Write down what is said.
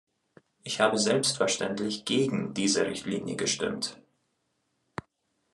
Ich habe selbstverständlich gegen diese Richtlinie gestimmt.